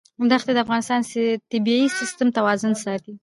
ښتې د افغانستان د طبعي سیسټم توازن ساتي.